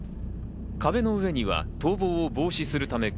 壁の上には逃亡を防止するためか